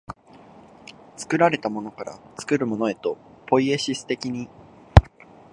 作られたものから作るものへと、ポイエシス的に、